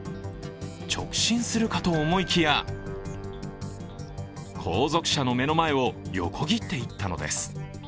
直進するかと思いきや後続車の目の前を横切っていったのです。